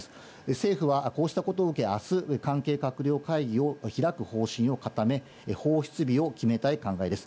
政府はこうしたことを受け、あす関係閣僚会議を開く方針を固め、放出日を決めたい考えです。